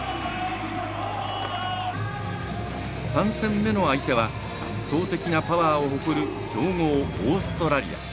３戦目の相手は圧倒的なパワーを誇る強豪オーストラリア。